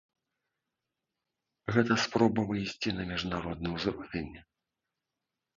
Гэта спроба выйсці на міжнародны ўзровень?